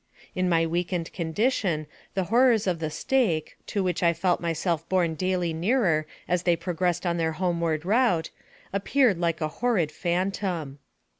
In my weakened condition, the horrors of the stake, to which I felt myself borne daily nearer as they pro gressed on their homeward route, appeared like a hor rid phantom.